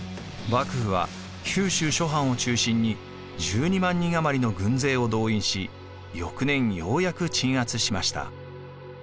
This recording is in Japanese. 幕府は九州諸藩を中心に１２万人余りの軍勢を動員し翌年ようやく鎮圧しました。